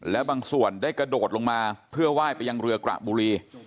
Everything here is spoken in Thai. และบางส่วนได้กระโดดลงมาเพื่อไหว้ไปยังเรือกระบุรี